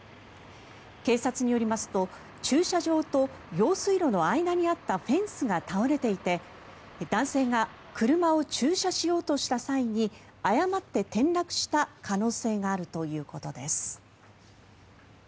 警察によりますと駐車場と用水路の間にあったフェンスが倒れていて男性が車を駐車しようとした際に誤って転落した可能性があるということです。